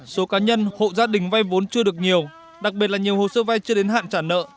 số cá nhân hộ gia đình vay vốn chưa được nhiều đặc biệt là nhiều hồ sơ vay chưa đến hạn trả nợ